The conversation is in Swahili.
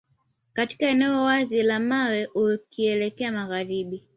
Katika eneo wazi la mawe ukielekea magharibi